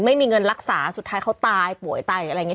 ไม่มีเงินรักษาสุดท้ายเขาตายป่วยตายหรืออะไรอย่างนี้